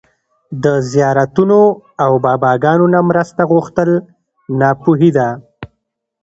د زيارتونو او باباګانو نه مرسته غوښتل ناپوهي ده